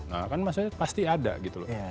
nah kan maksudnya pasti ada gitu loh